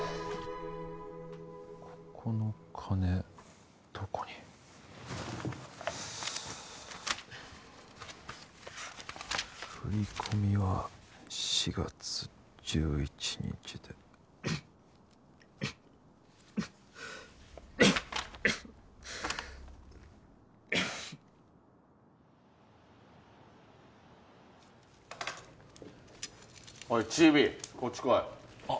ここの金どこに振り込みは４月１１日でおいチビこっち来いあッ